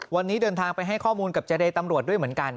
วันนี้เดินทางไปให้ข้อมูลกับเจรตำรวจด้วยเหมือนกัน